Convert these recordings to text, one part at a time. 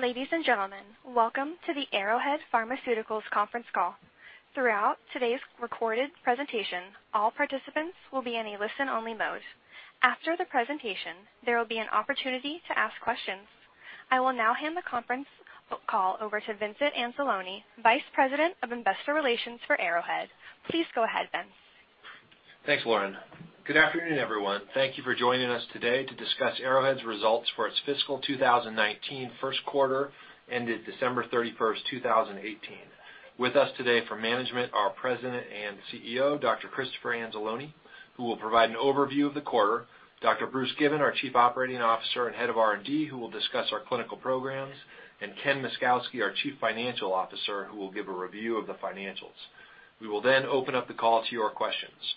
Ladies and gentlemen, welcome to the Arrowhead Pharmaceuticals conference call. Throughout today's recorded presentation, all participants will be in a listen-only mode. After the presentation, there will be an opportunity to ask questions. I will now hand the conference call over to Vincent Anzalone, Vice President of Investor Relations for Arrowhead. Please go ahead, Vince. Thanks, Lauren. Good afternoon, everyone. Thank you for joining us today to discuss Arrowhead's results for its fiscal 2019 first quarter ended December 31st, 2018. With us today for management are President and CEO, Dr. Christopher Anzalone, who will provide an overview of the quarter, Dr. Bruce Given, our Chief Operating Officer and Head of R&D, who will discuss our clinical programs, and Ken Myszkowski, our Chief Financial Officer, who will give a review of the financials. We will open up the call to your questions.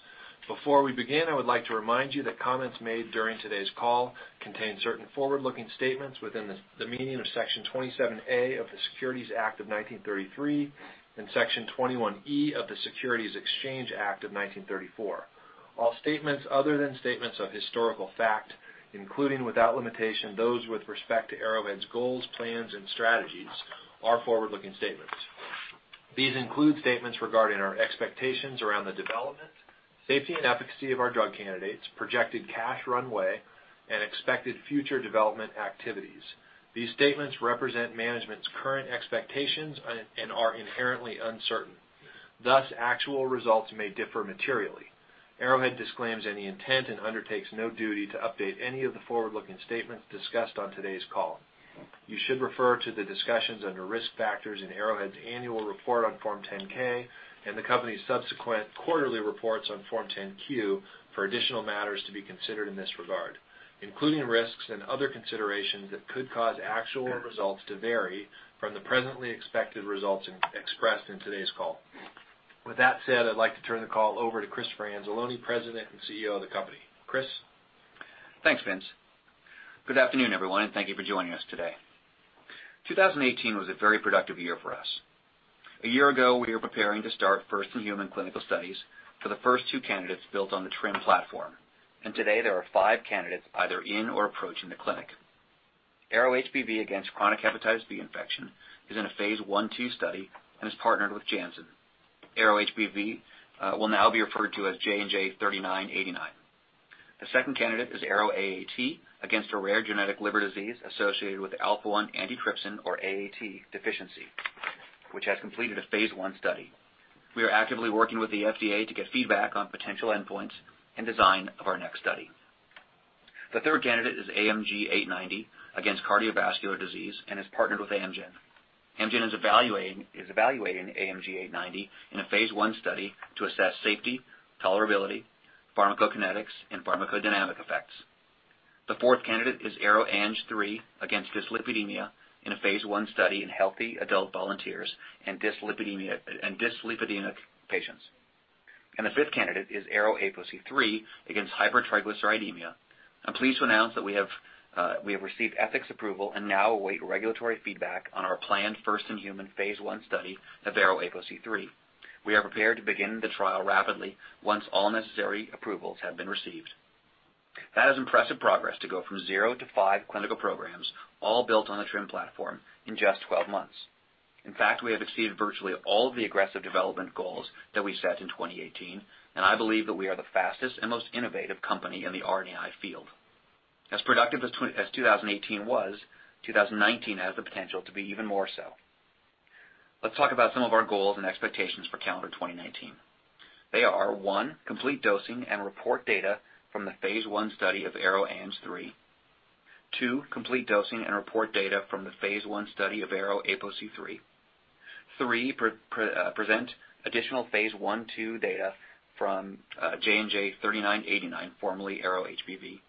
Before we begin, I would like to remind you that comments made during today's call contain certain forward-looking statements within the meaning of Section 27A of the Securities Act of 1933 and Section 21E of the Securities Exchange Act of 1934. All statements other than statements of historical fact, including, without limitation, those with respect to Arrowhead's goals, plans, and strategies, are forward-looking statements. These include statements regarding our expectations around the development, safety, and efficacy of our drug candidates, projected cash runway, and expected future development activities. These statements represent management's current expectations and are inherently uncertain. Thus, actual results may differ materially. Arrowhead disclaims any intent and undertakes no duty to update any of the forward-looking statements discussed on today's call. You should refer to the discussions under Risk Factors in Arrowhead's annual report on Form 10-K and the company's subsequent quarterly reports on Form 10-Q for additional matters to be considered in this regard, including risks and other considerations that could cause actual results to vary from the presently expected results expressed in today's call. With that said, I'd like to turn the call over to Christopher Anzalone, President and CEO of the company. Chris? Thanks, Vince. Good afternoon, everyone, and thank you for joining us today. 2018 was a very productive year for us. A year ago, we were preparing to start first-in-human clinical studies for the first two candidates built on the TRiM platform, and today there are five candidates either in or approaching the clinic. ARO-HBV against chronic hepatitis B infection is in a Phase I/II study and is partnered with Janssen. ARO-HBV will now be referred to as J&J-3989. The second candidate is ARO-AAT against a rare genetic liver disease associated with alpha-1 antitrypsin, or AAT, deficiency, which has completed a Phase I study. We are actively working with the FDA to get feedback on potential endpoints and design of our next study. The third candidate is AMG 890 against cardiovascular disease and is partnered with Amgen. Amgen is evaluating AMG 890 in a Phase I study to assess safety, tolerability, pharmacokinetics, and pharmacodynamic effects. The fourth candidate is ARO-ANG3 against dyslipidemia in a Phase I study in healthy adult volunteers and dyslipidemic patients. The fifth candidate is ARO-APOC3 against hypertriglyceridemia. I'm pleased to announce that we have received ethics approval and now await regulatory feedback on our planned first-in-human Phase I study of ARO-APOC3. We are prepared to begin the trial rapidly once all necessary approvals have been received. That is impressive progress to go from zero to five clinical programs, all built on the TRiM platform, in just 12 months. In fact, we have exceeded virtually all of the aggressive development goals that we set in 2018, and I believe that we are the fastest and most innovative company in the RNAi field. As productive as 2018 was, 2019 has the potential to be even more so. Let's talk about some of our goals and expectations for calendar 2019. They are, one, complete dosing and report data from the Phase I study of ARO-ANG3. Two, complete dosing and report data from the Phase I study of ARO-APOC3. Three, present additional Phase I/II data from J&J-3989, formerly ARO-HBV.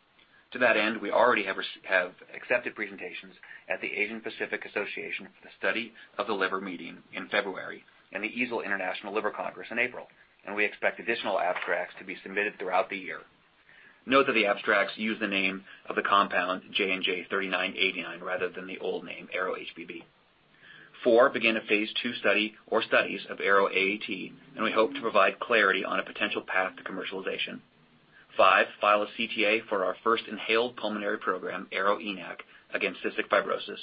To that end, we already have accepted presentations at the Asian Pacific Association for the Study of the Liver meeting in February and the EASL International Liver Congress in April, and we expect additional abstracts to be submitted throughout the year. Note that the abstracts use the name of the compound J&J-3989 rather than the old name, ARO-HBV. Four, begin a Phase II study or studies of ARO-AAT, and we hope to provide clarity on a potential path to commercialization. Five, file a CTA for our first inhaled pulmonary program, ARO-ENaC, against cystic fibrosis.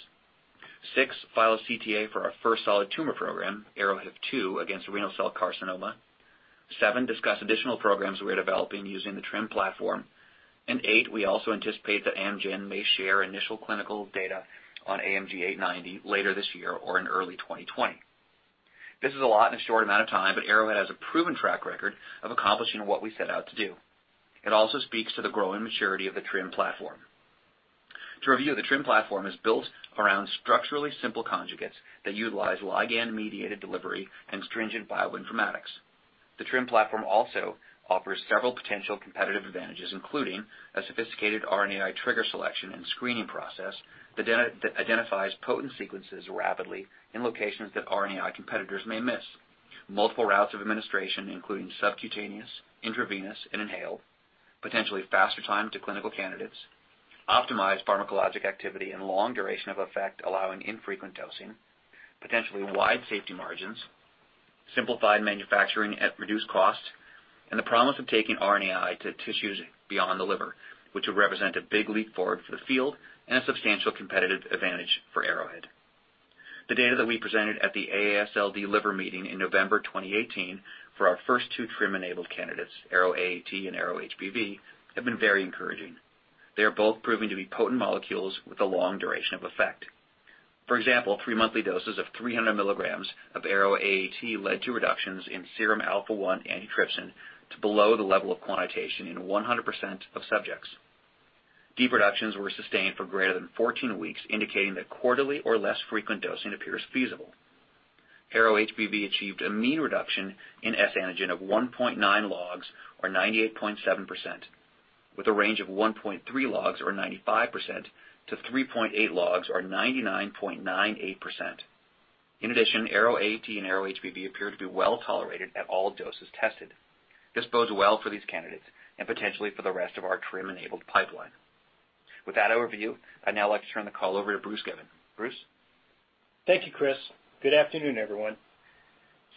Six, file a CTA for our first solid tumor program, ARO-HIF2, against renal cell carcinoma. Seven, discuss additional programs we are developing using the TRiM platform. Eight, we also anticipate that Amgen may share initial clinical data on AMG 890 later this year or in early 2020. This is a lot in a short amount of time, but Arrowhead has a proven track record of accomplishing what we set out to do. It also speaks to the growing maturity of the TRiM platform. To review, the TRiM platform is built around structurally simple conjugates that utilize ligand-mediated delivery and stringent bioinformatics. The TRiM platform also offers several potential competitive advantages, including a sophisticated RNAi trigger selection and screening process that identifies potent sequences rapidly in locations that RNAi competitors may miss. Multiple routes of administration, including subcutaneous, intravenous, and inhaled. Potentially faster time to clinical candidates. Optimized pharmacologic activity and long duration of effect allowing infrequent dosing. Potentially wide safety margins. Simplified manufacturing at reduced cost, and the promise of taking RNAi to tissues beyond the liver, which would represent a big leap forward for the field and a substantial competitive advantage for Arrowhead. The data that we presented at the AASLD Liver Meeting in November 2018 for our first two TRiM-enabled candidates, ARO-AAT and ARO-HBV, have been very encouraging. They are both proving to be potent molecules with a long duration of effect. For example, 3 monthly doses of 300 milligrams of ARO-AAT led to reductions in serum alpha-1 antitrypsin to below the level of quantitation in 100% of subjects. Reductions were sustained for greater than 14 weeks, indicating that quarterly or less frequent dosing appears feasible. ARO-HBV achieved a mean reduction in S antigen of 1.9 logs, or 98.7%, with a range of 1.3 logs, or 95%, to 3.8 logs, or 99.98%. In addition, ARO-AAT and ARO-HBV appear to be well-tolerated at all doses tested. This bodes well for these candidates and potentially for the rest of our TRiM-enabled pipeline. With that overview, I'd now like to turn the call over to Bruce Given. Bruce? Thank you, Chris. Good afternoon, everyone.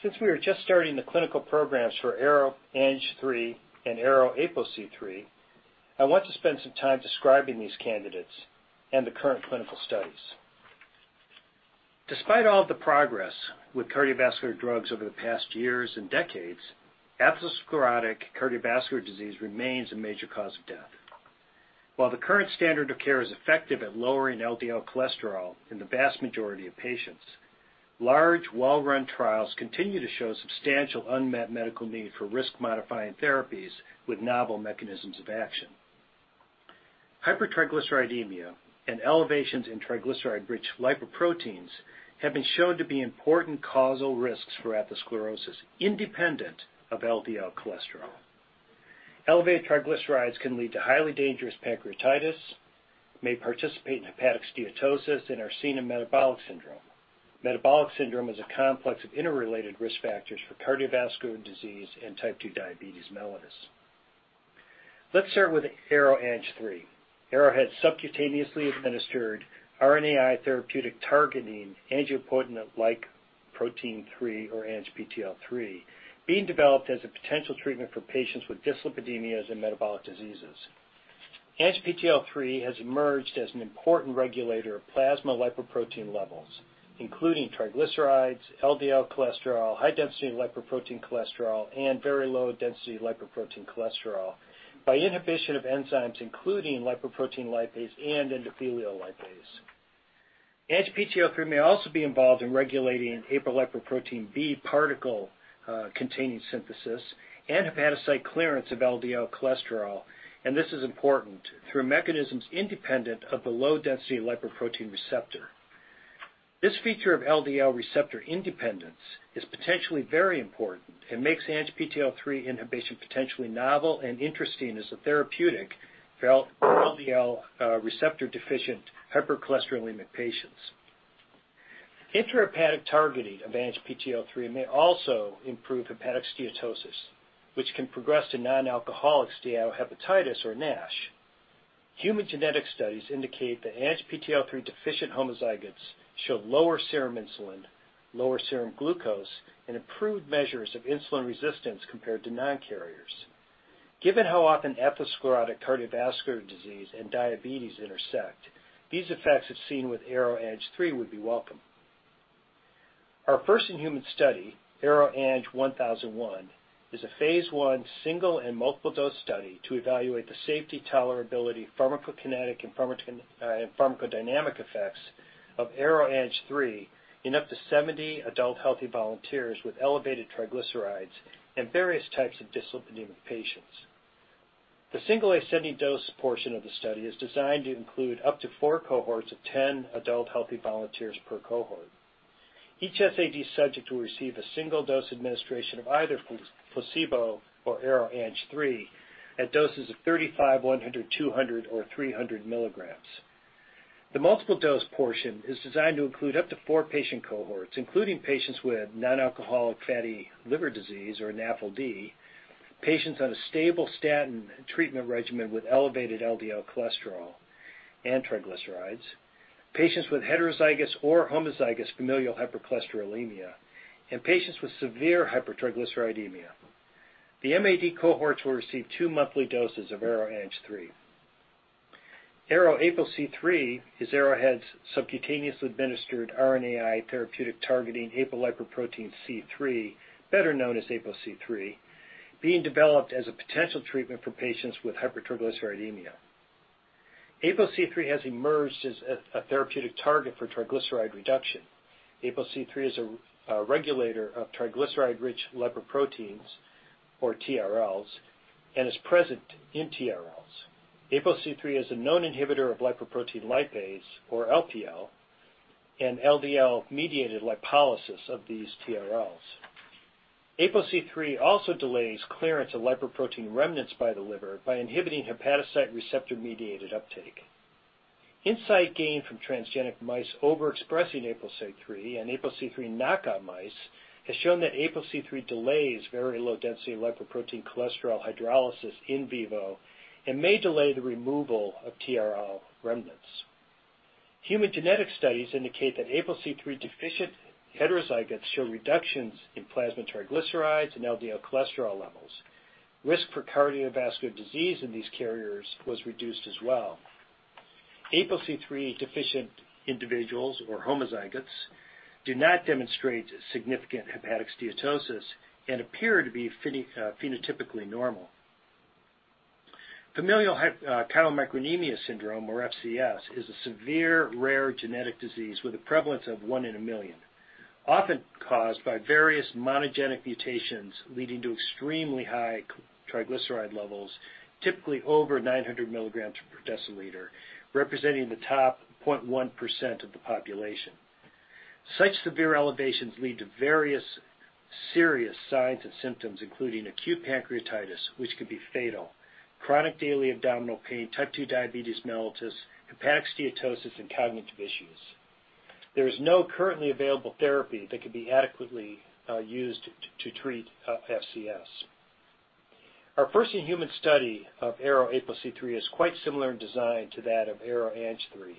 Since we are just starting the clinical programs for ARO-ANG3 and ARO-APOC3, I want to spend some time describing these candidates and the current clinical studies. Despite all of the progress with cardiovascular drugs over the past years and decades, atherosclerotic cardiovascular disease remains a major cause of death. While the current standard of care is effective at lowering LDL cholesterol in the vast majority of patients, large, well-run trials continue to show substantial unmet medical need for risk-modifying therapies with novel mechanisms of action. Hypertriglyceridemia and elevations in triglyceride-rich lipoproteins have been shown to be important causal risks for atherosclerosis independent of LDL cholesterol. Elevated triglycerides can lead to highly dangerous pancreatitis, may participate in hepatic steatosis, and are seen in metabolic syndrome. Metabolic syndrome is a complex of interrelated risk factors for cardiovascular disease and type 2 diabetes mellitus. Let's start with ARO-ANG3. Arrowhead's subcutaneously administered RNAi therapeutic targeting angiopoietin-like protein 3, or ANGPTL3, being developed as a potential treatment for patients with dyslipidemias and metabolic diseases. ANGPTL3 has emerged as an important regulator of plasma lipoprotein levels, including triglycerides, LDL cholesterol, high-density lipoprotein cholesterol, and very low-density lipoprotein cholesterol by inhibition of enzymes including lipoprotein lipase and endothelial lipase. ANGPTL3 may also be involved in regulating apolipoprotein B particle containing synthesis and hepatocyte clearance of LDL cholesterol. This is important through mechanisms independent of the low-density lipoprotein receptor. This feature of LDL receptor independence is potentially very important and makes ANGPTL3 inhibition potentially novel and interesting as a therapeutic for LDL receptor-deficient hypercholesterolemic patients. Intrahepatic targeting of ANGPTL3 may also improve hepatic steatosis, which can progress to non-alcoholic steatohepatitis, or NASH. Human genetic studies indicate that ANGPTL3-deficient homozygotes show lower serum insulin, lower serum glucose, and improved measures of insulin resistance compared to non-carriers. Given how often atherosclerotic cardiovascular disease and diabetes intersect, these effects as seen with ARO-ANG3 would be welcome. Our first-in-human study, AROANG1001, is a phase I single and multiple-dose study to evaluate the safety, tolerability, pharmacokinetic, and pharmacodynamic effects of ARO-ANG3 in up to 70 adult healthy volunteers with elevated triglycerides and various types of dyslipidemiac patients. The single ascending dose portion of the study is designed to include up to four cohorts of 10 adult healthy volunteers per cohort. Each SAD subject will receive a single dose administration of either placebo or ARO-ANG3 at doses of 35, 100, 200, or 300 milligrams. The multiple dose portion is designed to include up to four patient cohorts, including patients with non-alcoholic fatty liver disease, or NAFLD; patients on a stable statin treatment regimen with elevated LDL cholesterol and triglycerides; patients with heterozygous or homozygous familial hypercholesterolemia; and patients with severe hypertriglyceridemia. The MAD cohorts will receive two monthly doses of ARO-ANG3. ARO-APOC3 is Arrowhead's subcutaneously administered RNAi therapeutic targeting apolipoprotein C3, better known as APOC3, being developed as a potential treatment for patients with hypertriglyceridemia. APOC3 has emerged as a therapeutic target for triglyceride reduction. APOC3 is a regulator of triglyceride-rich lipoproteins, or TRLs, and is present in TRLs. APOC3 is a known inhibitor of lipoprotein lipase, or LPL, and LDL-mediated lipolysis of these TRLs. APOC3 also delays clearance of lipoprotein remnants by the liver by inhibiting hepatocyte receptor-mediated uptake. Insight gained from transgenic mice overexpressing APOC3 and APOC3 knockout mice has shown that APOC3 delays very low-density lipoprotein cholesterol hydrolysis in vivo and may delay the removal of TRL remnants. Human genetic studies indicate that APOC3-deficient heterozygotes show reductions in plasma triglycerides and LDL cholesterol levels. Risk for cardiovascular disease in these carriers was reduced as well. APOC3-deficient individuals, or homozygotes, do not demonstrate significant hepatic steatosis and appear to be phenotypically normal. Familial chylomicronemia syndrome, or FCS, is a severe rare genetic disease with a prevalence of one in a million. Often caused by various monogenic mutations leading to extremely high triglyceride levels, typically over 900 milligrams per deciliter, representing the top 0.1% of the population. Such severe elevations lead to various serious signs and symptoms, including acute pancreatitis, which can be fatal, chronic daily abdominal pain, type 2 diabetes mellitus, hepatic steatosis, and cognitive issues. There is no currently available therapy that can be adequately used to treat FCS. Our first-in-human study of ARO-APOC3 is quite similar in design to that of ARO-ANG3.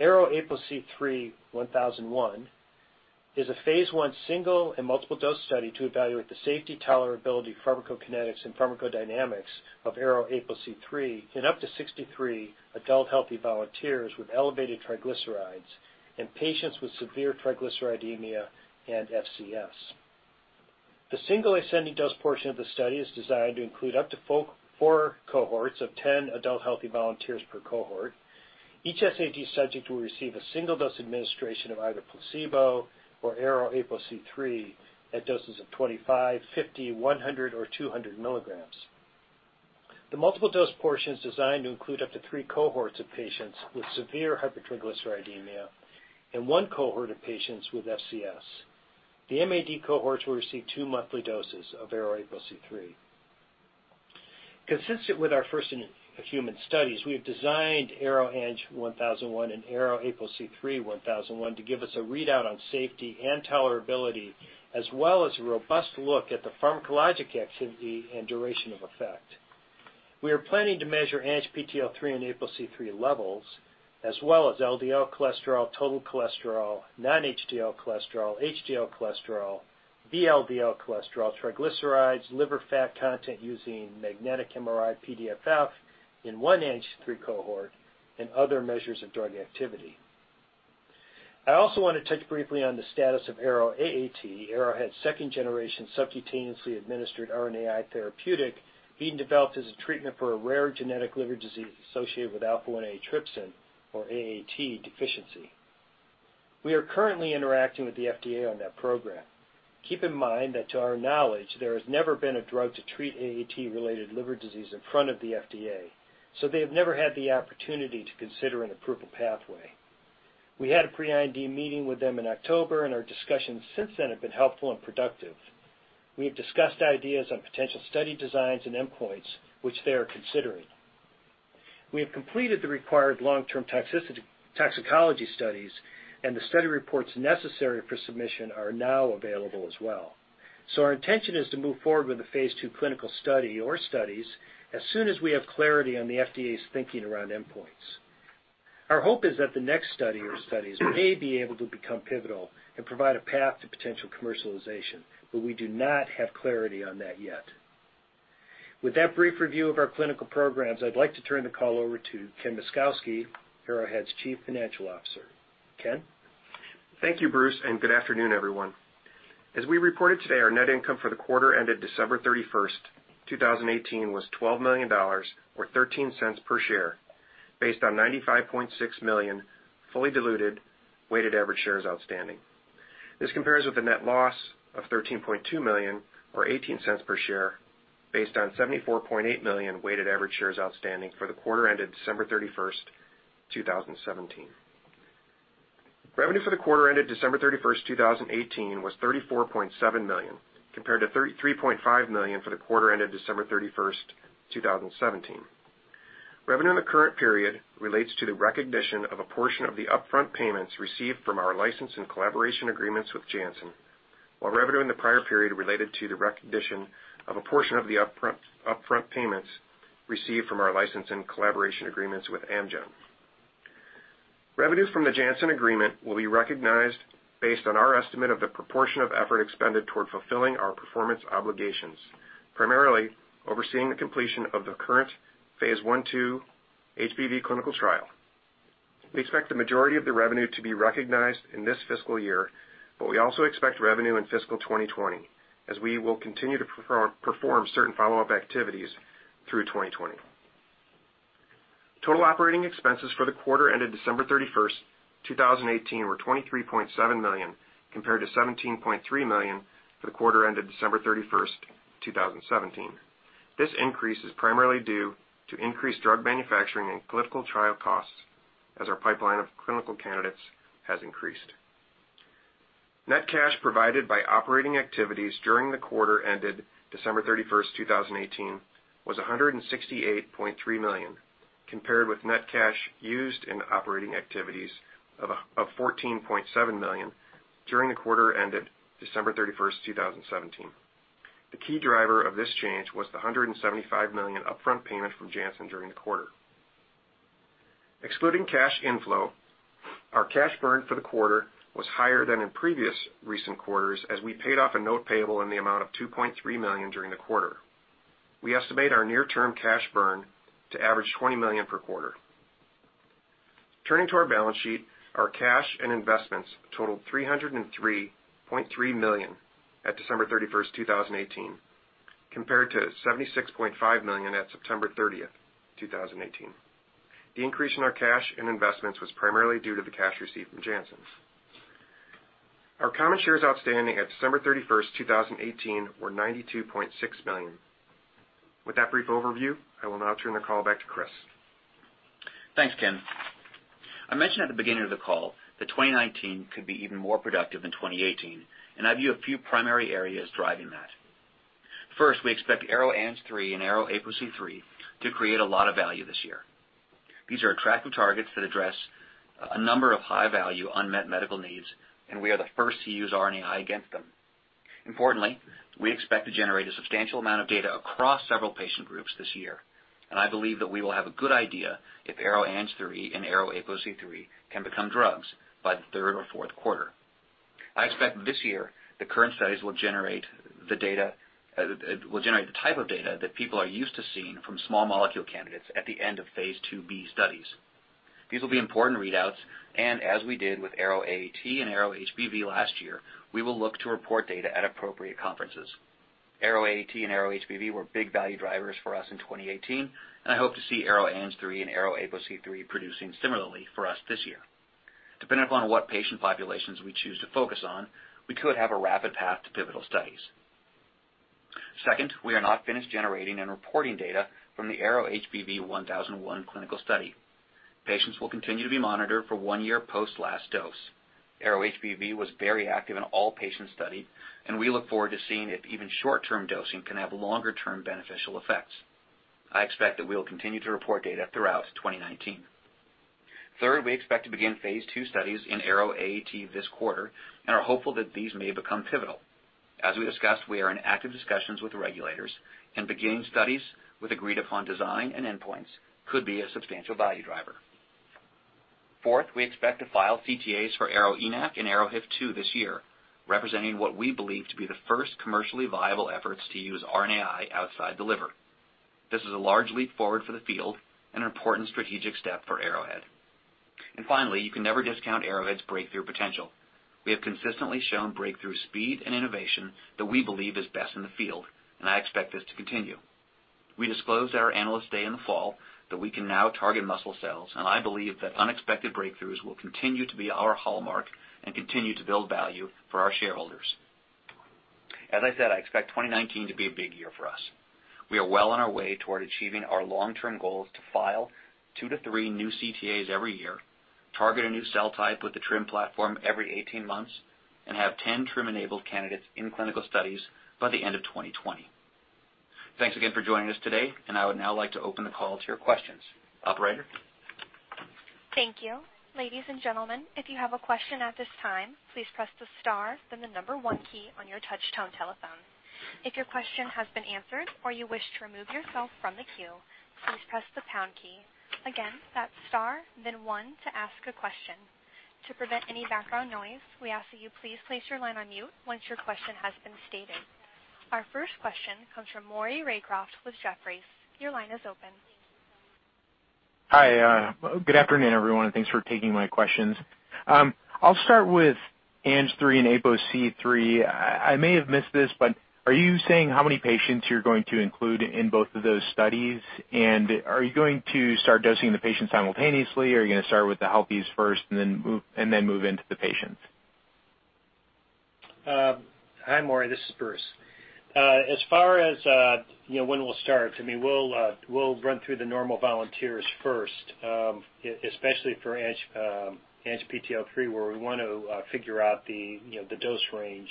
ARO-APOC3 1001 is a phase I single and multiple dose study to evaluate the safety, tolerability, pharmacokinetics, and pharmacodynamics of ARO-APOC3 in up to 63 adult healthy volunteers with elevated triglycerides and patients with severe hypertriglyceridemia and FCS. The single ascending dose portion of the study is designed to include up to four cohorts of 10 adult healthy volunteers per cohort. Each SAD subject will receive a single dose administration of either placebo or ARO-APOC3 at doses of 25, 50, 100, or 200 milligrams. The multiple dose portion is designed to include up to three cohorts of patients with severe hypertriglyceridemia and one cohort of patients with FCS. The MAD cohorts will receive two monthly doses of ARO-APOC3. Consistent with our first-in-human studies, we have designed AROANG1001 and AROAPOC31001 to give us a readout on safety and tolerability, as well as a robust look at the pharmacologic activity and duration of effect. We are planning to measure ANGPTL3 and APOC3 levels, as well as LDL cholesterol, total cholesterol, non-HDL cholesterol, HDL cholesterol, VLDL cholesterol, triglycerides, liver fat content using MRI PDFF in one ANG3 cohort, and other measures of drug activity. I also want to touch briefly on the status of ARO-AAT. Arrowhead's second generation subcutaneously administered RNAi therapeutic being developed as a treatment for a rare genetic liver disease associated with alpha-1 antitrypsin, or AAT, deficiency. We are currently interacting with the FDA on that program. Keep in mind that to our knowledge, there has never been a drug to treat AAT-related liver disease in front of the FDA, so they have never had the opportunity to consider an approval pathway. We had a pre-IND meeting with them in October, and our discussions since then have been helpful and productive. We have discussed ideas on potential study designs and endpoints, which they are considering. We have completed the required long-term toxicology studies, and the study reports necessary for submission are now available as well. Our intention is to move forward with a phase II clinical study or studies as soon as we have clarity on the FDA's thinking around endpoints. Our hope is that the next study or studies may be able to become pivotal and provide a path to potential commercialization, but we do not have clarity on that yet. With that brief review of our clinical programs, I'd like to turn the call over to Ken Myszkowski, Arrowhead's Chief Financial Officer. Ken? Thank you, Bruce, and good afternoon, everyone. As we reported today, our net income for the quarter ended December 31, 2018, was $12 million, or $0.13 per share, based on 95.6 million fully diluted weighted average shares outstanding. This compares with a net loss of $13.2 million, or $0.18 per share, based on 74.8 million weighted average shares outstanding for the quarter ended December 31, 2017. Revenue for the quarter ended December 31, 2018, was $34.7 million, compared to $33.5 million for the quarter ended December 31, 2017. Revenue in the current period relates to the recognition of a portion of the upfront payments received from our license and collaboration agreements with Janssen, while revenue in the prior period related to the recognition of a portion of the upfront payments received from our license and collaboration agreements with Amgen. Revenues from the Janssen agreement will be recognized based on our estimate of the proportion of effort expended toward fulfilling our performance obligations, primarily overseeing the completion of the current phase I/II HBV clinical trial. We expect the majority of the revenue to be recognized in this fiscal year, but we also expect revenue in fiscal 2020, as we will continue to perform certain follow-up activities through 2020. Total operating expenses for the quarter ended December 31st, 2018, were $23.7 million, compared to $17.3 million for the quarter ended December 31st, 2017. This increase is primarily due to increased drug manufacturing and clinical trial costs as our pipeline of clinical candidates has increased. Net cash provided by operating activities during the quarter ended December 31st, 2018, was $168.3 million, compared with net cash used in operating activities of $14.7 million during the quarter ended December 31st, 2017. The key driver of this change was the $175 million upfront payment from Janssen during the quarter. Excluding cash inflow, our cash burn for the quarter was higher than in previous recent quarters, as we paid off a note payable in the amount of $2.3 million during the quarter. We estimate our near-term cash burn to average $20 million per quarter. Turning to our balance sheet. Our cash and investments totaled $303.3 million at December 31st, 2018, compared to $76.5 million at September 30th, 2018. The increase in our cash and investments was primarily due to the cash received from Janssen. Our common shares outstanding at December 31st, 2018 were 92.6 million. With that brief overview, I will now turn the call back to Chris. Thanks, Ken. I mentioned at the beginning of the call that 2019 could be even more productive than 2018, and I view a few primary areas driving that. First, we expect ARO-ANG3 and ARO-APOC3 to create a lot of value this year. These are attractive targets that address a number of high-value unmet medical needs, and we are the first to use RNAi against them. Importantly, we expect to generate a substantial amount of data across several patient groups this year, and I believe that we will have a good idea if ARO-ANG3 and ARO-APOC3 can become drugs by the third or fourth quarter. I expect this year the current studies will generate the type of data that people are used to seeing from small molecule candidates at the end of phase IIb studies. These will be important readouts. As we did with ARO-AAT and ARO-HBV last year, we will look to report data at appropriate conferences. ARO-AAT and ARO-HBV were big value drivers for us in 2018. I hope to see ARO-ANG3 and ARO-APOC3 producing similarly for us this year. Depending upon what patient populations we choose to focus on, we could have a rapid path to pivotal studies. Second, we are not finished generating and reporting data from the AROHBV1001 clinical study. Patients will continue to be monitored for one year post last dose. ARO-HBV was very active in all patient study. We look forward to seeing if even short-term dosing can have longer-term beneficial effects. I expect that we will continue to report data throughout 2019. Third, we expect to begin phase II studies in ARO-AAT this quarter, and are hopeful that these may become pivotal. As we discussed, we are in active discussions with the regulators, beginning studies with agreed-upon design and endpoints could be a substantial value driver. Fourth, we expect to file CTAs for ARO-ENaC and ARO-HIF2 this year, representing what we believe to be the first commercially viable efforts to use RNAi outside the liver. This is a large leap forward for the field and an important strategic step for Arrowhead. Finally, you can never discount Arrowhead's breakthrough potential. We have consistently shown breakthrough speed and innovation that we believe is best in the field, I expect this to continue. We disclosed at our Analyst Day in the fall that we can now target muscle cells, I believe that unexpected breakthroughs will continue to be our hallmark and continue to build value for our shareholders. As I said, I expect 2019 to be a big year for us. We are well on our way toward achieving our long-term goals to file two to three new CTAs every year, target a new cell type with the TRiM platform every 18 months, have 10 TRiM-enabled candidates in clinical studies by the end of 2020. Thanks again for joining us today, I would now like to open the call to your questions. Operator? Thank you. Ladies and gentlemen, if you have a question at this time, please press the star then the number one key on your touchtone telephone. If your question has been answered or you wish to remove yourself from the queue, please press the pound key. Again, that's star, then one to ask a question. To prevent any background noise, we ask that you please place your line on mute once your question has been stated. Our first question comes from Maury Raycroft with Jefferies. Your line is open. Hi. Good afternoon, everyone, thanks for taking my questions. I'll start with ANG3 and APOC3. I may have missed this, are you saying how many patients you're going to include in both of those studies? Are you going to start dosing the patients simultaneously, or are you going to start with the healthies first and then move into the patients? Hi, Maury. This is Bruce. As far as when we'll start, we'll run through the normal volunteers first, especially for ANGPTL3, where we want to figure out the dose range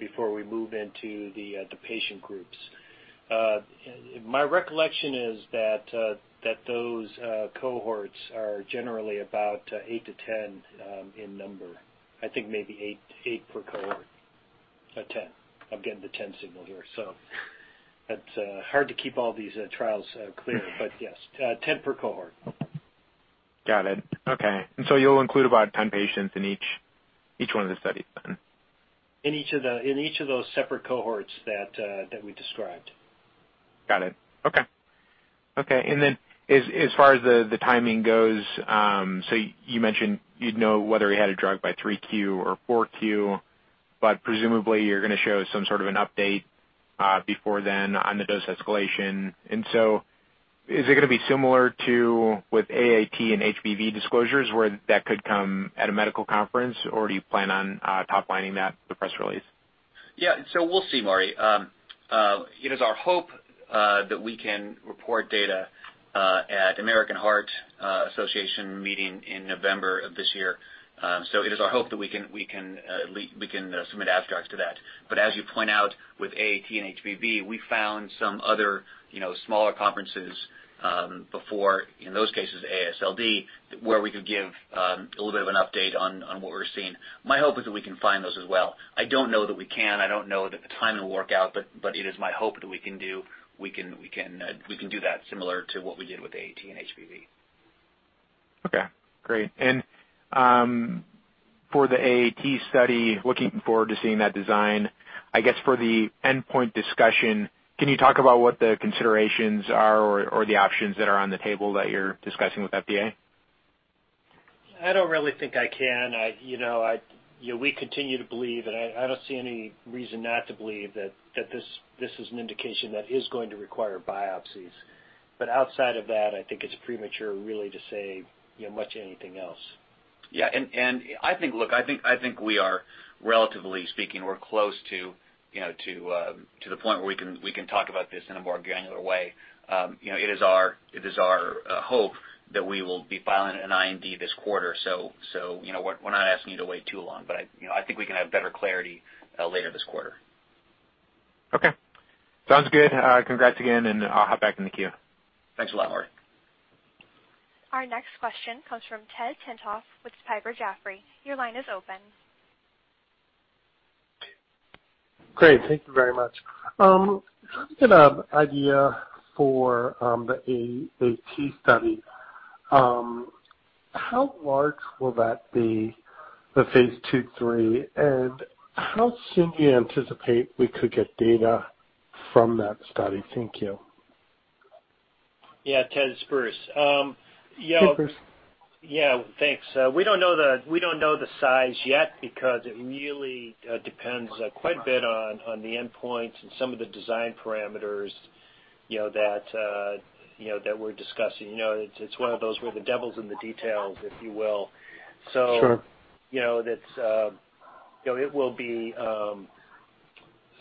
before we move into the patient groups. My recollection is that those cohorts are generally about eight to 10 in number. I think maybe eight per cohort. Or 10. I'm getting the 10 signal here, it's hard to keep all these trials clear. But yes, 10 per cohort. Got it. Okay. You'll include about 10 patients in each one of the studies then. In each of those separate cohorts that we described. Got it. Okay. Then as far as the timing goes, you mentioned you'd know whether you had a drug by 3Q or 4Q, but presumably you're going to show some sort of an update before then on the dose escalation. Is it going to be similar to with AAT and HBV disclosures where that could come at a medical conference, or do you plan on top-lining that with the press release? Yeah. We'll see, Maury. It is our hope that we can report data at American Heart Association meeting in November of this year. It is our hope that we can submit abstracts to that. As you point out with AAT and HBV, we found some other smaller conferences, before, in those cases, AASLD, where we could give a little bit of an update on what we're seeing. My hope is that we can find those as well. I don't know that we can. I don't know that the timing will work out, but it is my hope that we can do that similar to what we did with AAT and HBV. Okay, great. For the AAT study, looking forward to seeing that design. I guess for the endpoint discussion, can you talk about what the considerations are or the options that are on the table that you're discussing with FDA? I don't really think I can. We continue to believe, and I don't see any reason not to believe that this is an indication that is going to require biopsies. Outside of that, I think it's premature really to say much anything else. Yeah, I think we are, relatively speaking, we're close to the point where we can talk about this in a more granular way. It is our hope that we will be filing an IND this quarter, so we're not asking you to wait too long, but I think we can have better clarity later this quarter. Okay. Sounds good. Congrats again. I'll hop back in the queue. Thanks a lot, Maury. Our next question comes from Ted Tenthoff with Piper Jaffray. Your line is open. Great. Thank you very much. Just get an idea for the AAT study. How large will that be, the phase II/III? How soon do you anticipate we could get data from that study? Thank you. Yeah, Ted, it's Bruce. Hey, Bruce. Yeah, thanks. We don't know the size yet because it really depends quite a bit on the endpoints and some of the design parameters that we're discussing. It's one of those where the devil's in the details, if you will. Sure.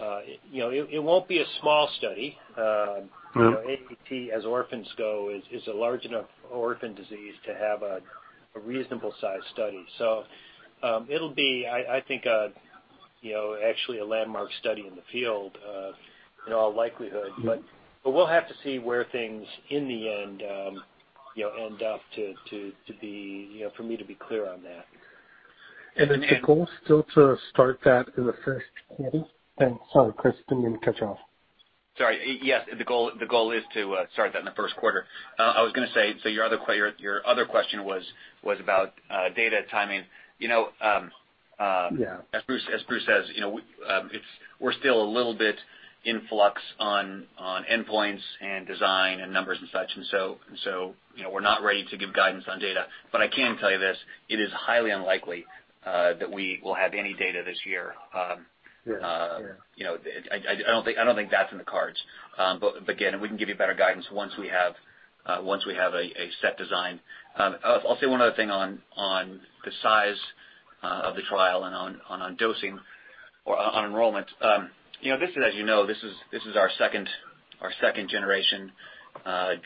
It won't be a small study. AAT, as orphans go, is a large enough orphan disease to have a reasonable size study. It'll be, I think, actually a landmark study in the field in all likelihood. We'll have to see where things in the end up for me to be clear on that. Is the goal still to start that in the first quarter? Thanks. Sorry, Chris, didn't mean to cut you off. Sorry. Yes, the goal is to start that in the first quarter. I was going to say, your other question was about data timing. Yeah. As Bruce says, we're still a little bit in flux on endpoints and design and numbers and such. We're not ready to give guidance on data. I can tell you this, it is highly unlikely that we will have any data this year. Yes. Yeah. I don't think that's in the cards. Again, we can give you better guidance once we have a set design. I'll say one other thing on the size of the trial and on dosing or on enrollment. This is, as you know, this is our second generation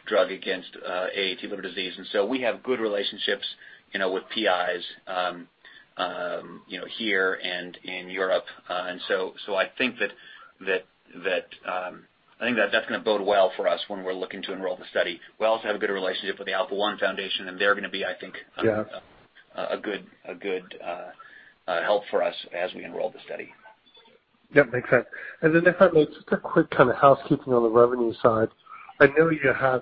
drug against AAT liver disease. We have good relationships with PIs here and in Europe. I think that's going to bode well for us when we're looking to enroll the study. We also have a good relationship with the Alpha-1 Foundation, and they're going to be, I think. Yeah They're going to be a good help for us as we enroll the study. Yep, makes sense. Then if I may, just a quick kind of housekeeping on the revenue side. I know you had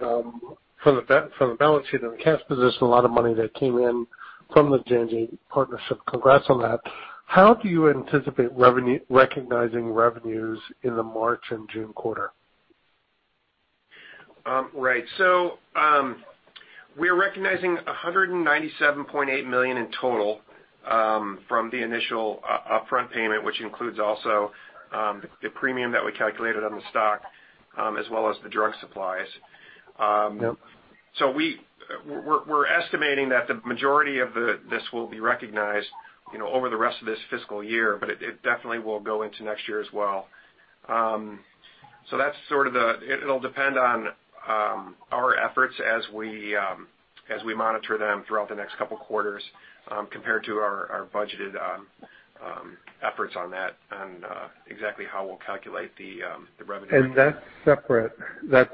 from the balance sheet and the cash position, a lot of money that came in from the J&J partnership. Congrats on that. How do you anticipate recognizing revenues in the March and June quarter? Right. We're recognizing $197.8 million in total from the initial upfront payment, which includes also the premium that we calculated on the stock as well as the drug supplies. Yep. We're estimating that the majority of this will be recognized over the rest of this fiscal year, but it definitely will go into next year as well. It'll depend on our efforts as we monitor them throughout the next couple of quarters compared to our budgeted efforts on that and exactly how we'll calculate the revenue. That's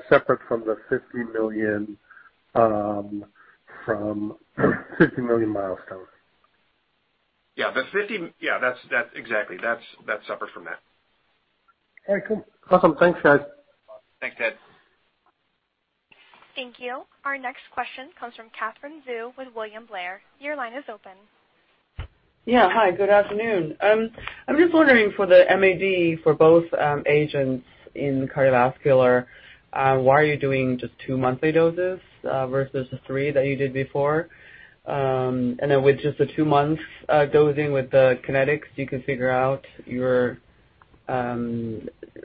separate from the $50 million milestone. Yeah, exactly. That's separate from that. Okay, cool. Awesome. Thanks, guys. Thanks, Ted. Thank you. Our next question comes from Katherine Zhu with William Blair. Your line is open. Yeah. Hi, good afternoon. I'm just wondering for the MAD for both agents in cardiovascular, why are you doing just two monthly doses versus the three that you did before? Then with just the two months dosing with the kinetics, you can figure out your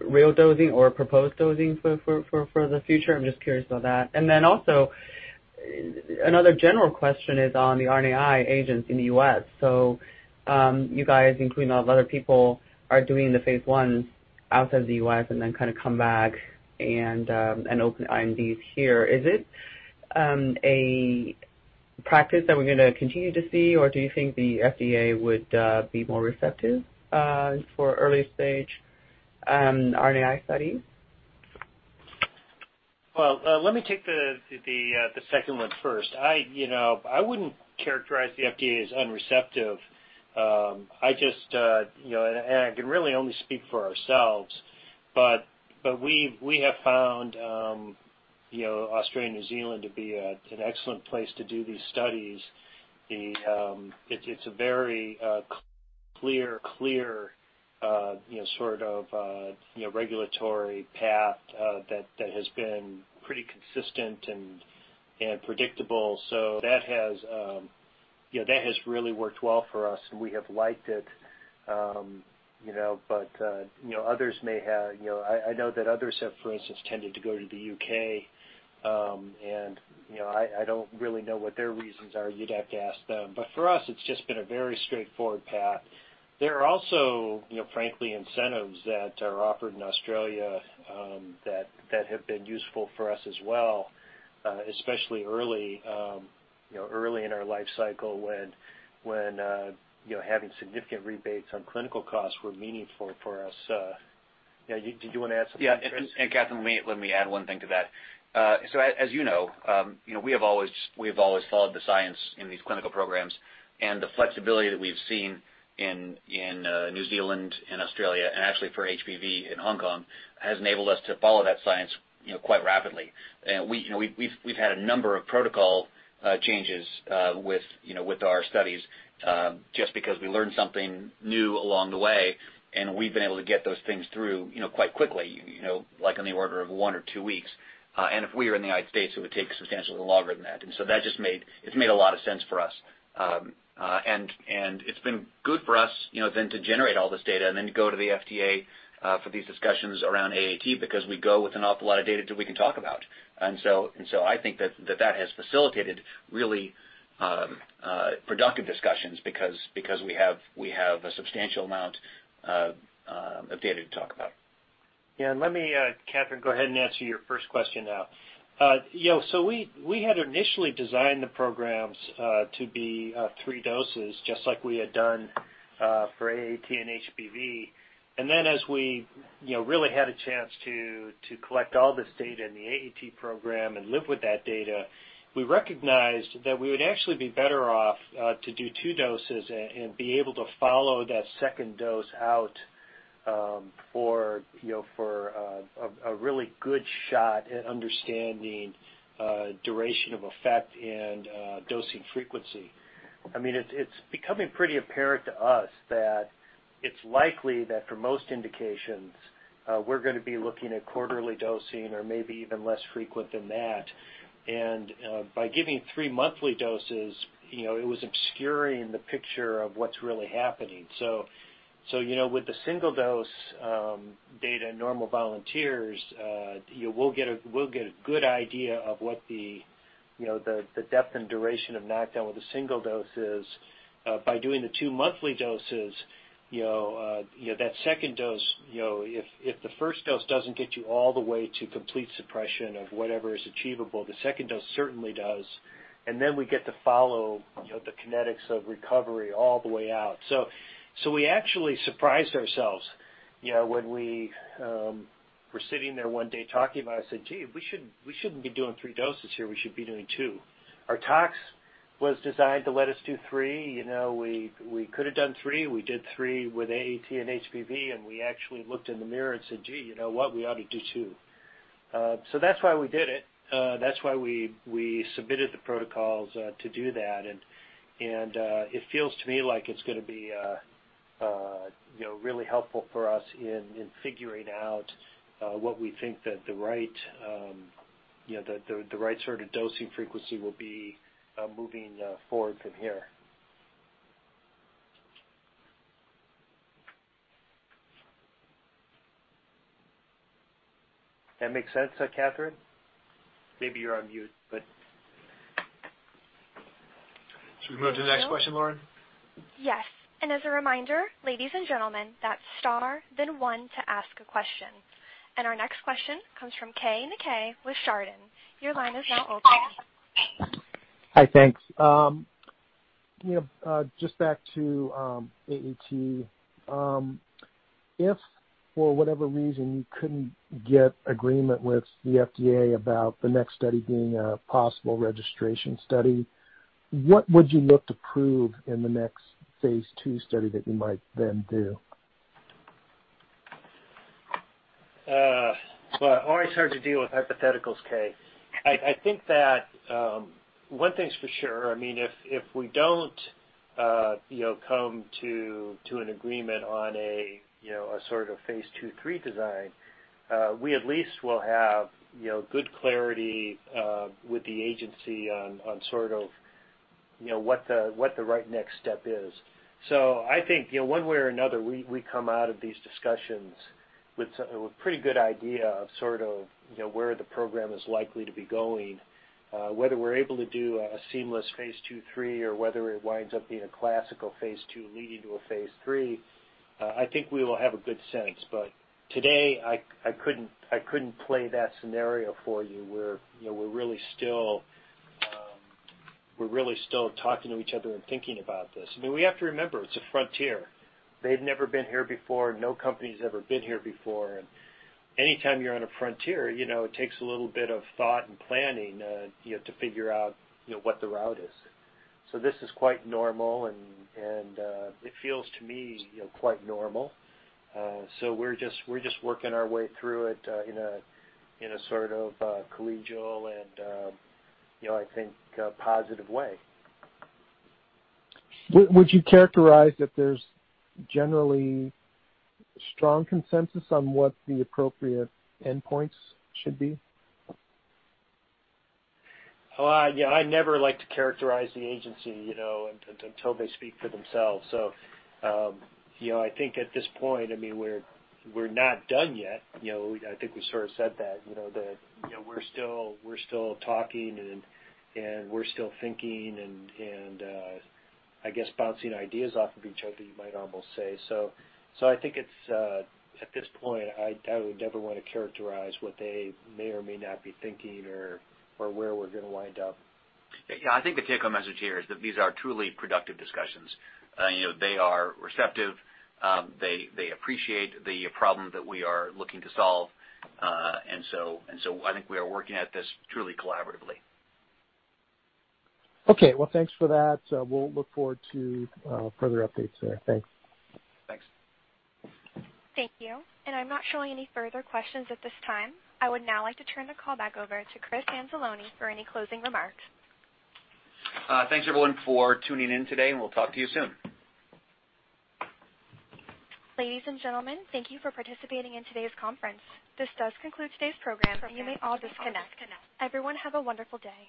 real dosing or proposed dosing for the future? I'm just curious about that. Then also, another general question is on the RNAi agents in the U.S. You guys, including other people, are doing the phase I's Outside the U.S. Then come back and open INDs here. Is it a practice that we're going to continue to see, or do you think the FDA would be more receptive for early-stage RNAi studies? Well, let me take the second one first. I wouldn't characterize the FDA as unreceptive. I can really only speak for ourselves, but we have found Australia and New Zealand to be an excellent place to do these studies. It's a very clear sort of regulatory path that has been pretty consistent and predictable. That has really worked well for us, and we have liked it. I know that others have, for instance, tended to go to the U.K., and I don't really know what their reasons are. You'd have to ask them. For us, it's just been a very straightforward path. There are also frankly incentives that are offered in Australia that have been useful for us as well, especially early in our life cycle when having significant rebates on clinical costs were meaningful for us. Did you want to add something, Chris? Yeah. Katherine, let me add one thing to that. As you know, we have always followed the science in these clinical programs, and the flexibility that we've seen in New Zealand and Australia, and actually for HBV in Hong Kong, has enabled us to follow that science quite rapidly. We've had a number of protocol changes with our studies, just because we learn something new along the way, and we've been able to get those things through quite quickly, like on the order of one or two weeks. If we were in the U.S., it would take substantially longer than that. That just made a lot of sense for us. It's been good for us then to generate all this data then to go to the FDA for these discussions around AAT because we go with an awful lot of data that we can talk about. I think that has facilitated really productive discussions because we have a substantial amount of data to talk about. Yeah. Let me, Katherine, go ahead and answer your first question now. We had initially designed the programs to be three doses, just like we had done for AAT and HBV. As we really had a chance to collect all this data in the AAT program and live with that data, we recognized that we would actually be better off to do two doses and be able to follow that second dose out for a really good shot at understanding duration of effect and dosing frequency. It's becoming pretty apparent to us that it's likely that for most indications, we're going to be looking at quarterly dosing or maybe even less frequent than that. By giving three monthly doses, it was obscuring the picture of what's really happening. With the single-dose data in normal volunteers, we'll get a good idea of what the depth and duration of knockdown with a single dose is. By doing the two monthly doses, if the first dose doesn't get you all the way to complete suppression of whatever is achievable, the second dose certainly does. We get to follow the kinetics of recovery all the way out. We actually surprised ourselves when we were sitting there one day talking about it. I said, "Gee, we shouldn't be doing three doses here. We should be doing two." Our tox was designed to let us do three. We could've done three. We did three with AAT and HBV. We actually looked in the mirror and said, "Gee, you know what? We ought to do two." That's why we did it. That's why we submitted the protocols to do that. It feels to me like it's going to be really helpful for us in figuring out what we think that the right sort of dosing frequency will be moving forward from here. That make sense, Katherine? Maybe you're on mute. Should we move to the next question, Lauren? Yes. As a reminder, ladies and gentlemen, that's star, then one to ask a question. Our next question comes from Keay Nakae with Chardan. Your line is now open. Hi. Thanks. Just back to AAT. If, for whatever reason, you couldn't get agreement with the FDA about the next study being a possible registration study, what would you look to prove in the next phase II study that you might then do? Well, always hard to deal with hypotheticals, Keay. I think that one thing's for sure. If we don't come to an agreement on a sort of phase II, III design, we at least will have good clarity with the agency on sort of what the right next step is. I think one way or another, we come out of these discussions with a pretty good idea of sort of where the program is likely to be going. Whether we're able to do a seamless phase II, III or whether it winds up being a classical phase II leading to a phase III, I think we will have a good sense, today I couldn't play that scenario for you. We're really still talking to each other and thinking about this. We have to remember, it's a frontier. They've never been here before. No company's ever been here before. Anytime you're on a frontier, it takes a little bit of thought and planning to figure out what the route is. This is quite normal, and it feels to me quite normal. We're just working our way through it in a collegial and, I think, positive way. Would you characterize if there's generally strong consensus on what the appropriate endpoints should be? I never like to characterize the agency until they speak for themselves. I think at this point, we're not done yet. I think we sort of said that. We're still talking, and we're still thinking and, I guess, bouncing ideas off of each other, you might almost say. I think at this point, I would never want to characterize what they may or may not be thinking or where we're going to wind up. Yeah. I think the take home message here is that these are truly productive discussions. They are receptive. They appreciate the problem that we are looking to solve. I think we are working at this truly collaboratively. Okay. Well, thanks for that. We'll look forward to further updates there. Thanks. Thanks. Thank you. I'm not showing any further questions at this time. I would now like to turn the call back over to Chris Anzalone for any closing remarks. Thanks, everyone, for tuning in today, and we'll talk to you soon. Ladies and gentlemen, thank you for participating in today's conference. This does conclude today's program, and you may all disconnect. Everyone, have a wonderful day.